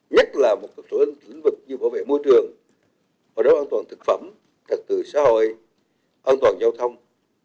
nhất là một số lĩnh vực như bảo vệ môi trường bảo đấu an toàn thực phẩm trật tự xã hội an toàn giao thông